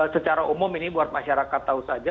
secara umum ini buat masyarakat tahu saja